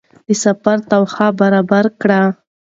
د سفر توښه برابره کړئ.